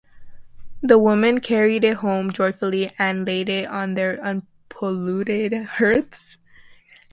The women carried it home joyfully and laid it on their unpolluted hearths.